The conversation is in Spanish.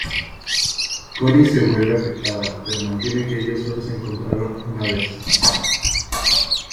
Connie se vuelve afectada pero mantiene que ellos sólo se encontraron una vez.